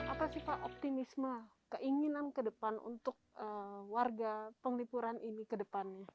apa sifat optimisme keinginan ke depan untuk warga penglipuran ini ke depan